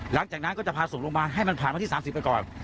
หลังจากนั้นก็จะพาส่งโรงพยาบาลให้มันผ่านวันที่๓๐ไปก่อน